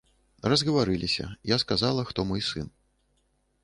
Разгаварыліся, я сказала, хто мой сын.